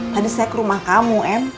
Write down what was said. tadi saya ke rumah kamu m